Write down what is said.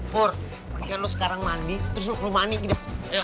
pur mungkin lo sekarang mandi terus lo mandi gitu